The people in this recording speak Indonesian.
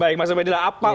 baik maksud pak jokowi